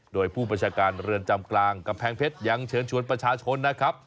โดยผู้บัญชาการเรือนจำกลางกำแพงเพชรยังเชิญชวนประชาชนนะครับ